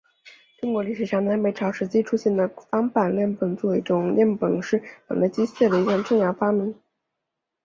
中国历史上南北朝时期出现的方板链泵作为一种链泵是泵类机械的一项重要发明。